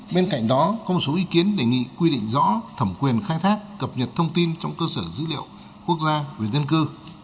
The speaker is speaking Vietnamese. bên cạnh đó có một số ý kiến đề nghị quy định rõ thẩm quyền khai thác cập nhật thông tin trong cơ sở dữ liệu quốc gia về dân cư